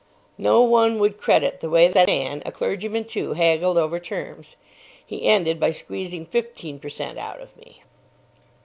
No one would credit the way that man—a clergyman, too—haggled over terms. He ended by squeezing fifteen per cent out of me.